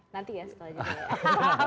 nanti ya sekali lagi